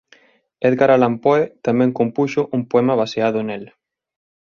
Edgar Allan Poe tamén compuxo un poema baseado nel.